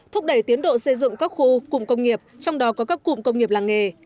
thúc đẩy tiến độ xây dựng các khu cụm công nghiệp trong đó có các cụm công nghiệp làng nghề